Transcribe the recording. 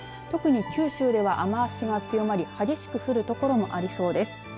特に九州では雨脚が強まり激しく降る所もありそうです。